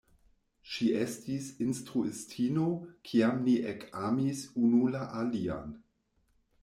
Ŝi estis instruistino, kiam ni ekamis unu la alian.